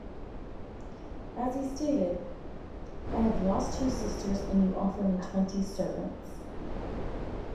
As he stated; 'I have lost two sisters and you offer me twenty servants.